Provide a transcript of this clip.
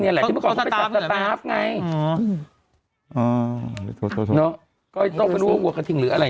เนี้ยแหละเดี๋ยวเมื่อก่อนไงอ่าโทรโทรโทรโทรวัวกระทิงหรืออะไร